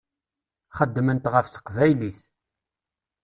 Xeddment ɣef teqbaylit.